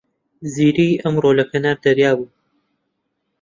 زیری ئەمڕۆ لە کەنار دەریا بوو.